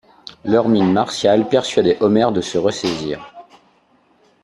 Leur mine martiale persuadait Omer de se ressaisir.